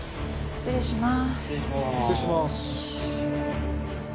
失礼します。